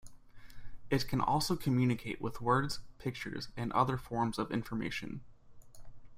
It can also communicate with words, pictures and other forms of information.